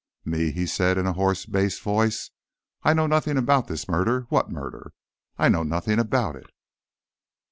"Me?" he said in a hoarse bass voice. "I know nothing about this murder. What murder? I know nothing about it."